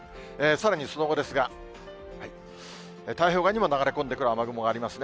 さらにその後ですが、太平洋側にも流れ込んでくる雨雲がありますね。